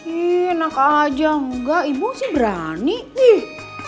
iih enak aja enggak ibu sih berani ih